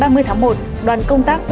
ngày ba mươi tháng một đoàn công tác